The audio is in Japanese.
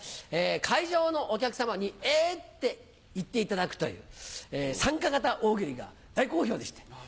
会場のお客さまに「え！」って言っていただくという参加型大喜利が大好評でした。